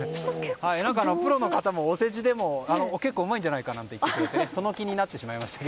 プロの方も、お世辞でも結構うまいんじゃないかと言ってくれてその気になってしまいました。